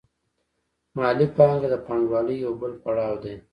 مالي پانګه د پانګوالۍ یو بل پړاو دی